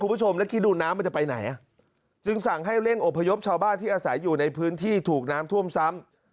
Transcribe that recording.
คุณผู้ชมแล้วคิดดูน้ำมันจะไปไหนอ่ะจึงสั่งให้เร่งอบพยพชาวบ้านที่อาศัยอยู่ในพื้นที่ถูกน้ำท่วมซ้ำ